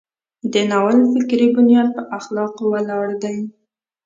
د ناول فکري بنیاد په اخلاقو ولاړ دی.